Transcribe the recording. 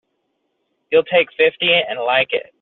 You'll take fifty and like it!